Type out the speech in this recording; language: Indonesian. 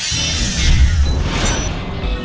aku akan menembakmu